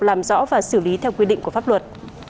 làm rõ và xử lý theo quy định của pháp luật